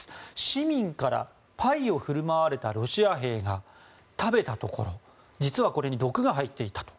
市民からパイを振る舞われたロシア兵が食べたところ実はこれに毒が入っていたと。